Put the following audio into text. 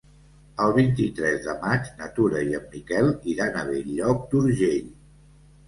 El vint-i-tres de maig na Tura i en Miquel iran a Bell-lloc d'Urgell.